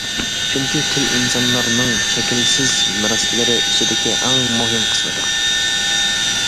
چۈنكى تىل- ئىنسانلارنىڭ شەكىلسىز مىراسلىرى ئىچىدىكى ئەڭ مۇھىم قىسمىدۇر.